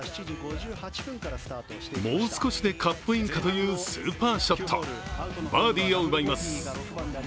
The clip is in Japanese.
もう少しでカップインかというスーパーショット、バーディーを奪います。